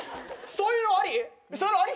そういうのあり？